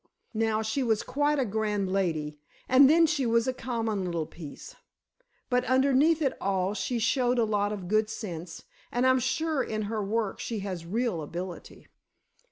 Now she was quite a grand lady, and then she was a common little piece! But underneath it all she showed a lot of good sense and I'm sure in her work she has real ability."